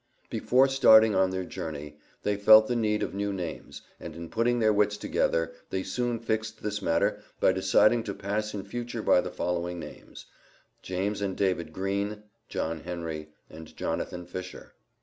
Before starting on their journey, they felt the need of new names, and in putting their wits together, they soon fixed this matter by deciding to pass in future by the following names: James and David Green, John Henry, and Jonathan Fisher.